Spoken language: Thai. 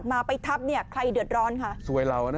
สุดยอดดีแล้วล่ะ